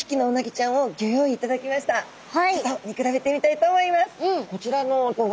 ちょっと見比べてみたいと思います。